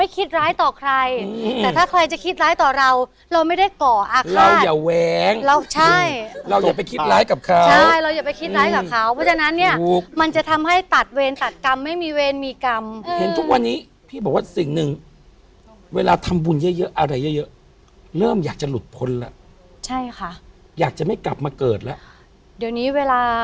ก็ไปกลัวอะไรพี่เหมียวก็ไปกลัว